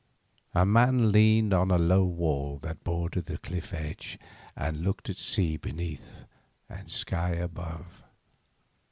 A man leaned on the low wall that bordered the cliff edge, and looked at sea beneath and sky above.